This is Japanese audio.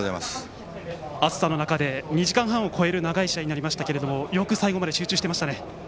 暑さの中で２時間半を超える長い試合になりましたがよく最後まで集中してましたね。